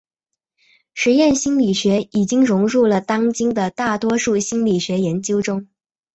实验心理学已经融入了当今的大多数心理学研究中。